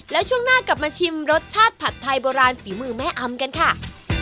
แล้วช่วงหน้ากลับมาชิมรสชาติผัดไทยโบราณฝีมือแม่อำกันค่ะ